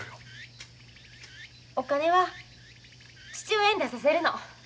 お金は父親に出させるの。